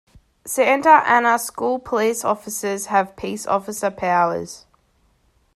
Santa Ana School Police officers have peace officer powers.